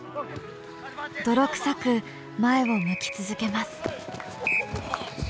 泥臭く前を向き続けます。